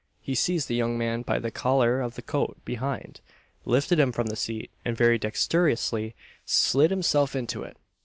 he seized the young man by the collar of the coat behind, lifted him from the seat, and very dexterously slid himself into it.